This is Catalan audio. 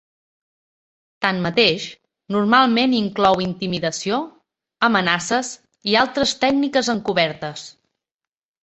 Tanmateix, normalment inclou intimidació, amenaces i altres tècniques encobertes.